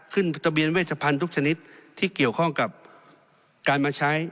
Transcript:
ทะเบียนเวชพันธุ์ทุกชนิดที่เกี่ยวข้องกับการมาใช้